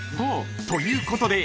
ということで］